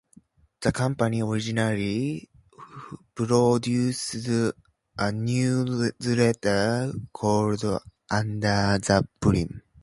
The company originally produced a newsletter called Under the Brim.